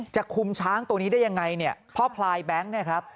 จะคุมช้างตัวนี้ได้ยังไงเนี่ยพ่อพลายแบงค์เนี่ยครับ